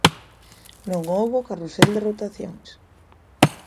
Non houbo carrusel de rotacións.